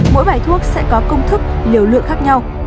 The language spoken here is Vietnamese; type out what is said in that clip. mỗi bài thuốc sẽ có công thức liều lượng khác nhau